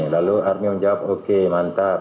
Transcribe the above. lalu army menjawab oke mantap